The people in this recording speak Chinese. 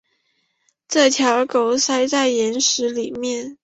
有条狗塞在岩石里面